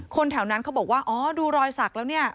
แถวนั้นเขาบอกว่าอ๋อดูรอยสักแล้วเนี่ย